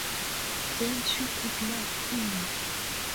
Then she could love him.